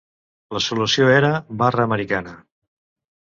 La solució era «barra americana».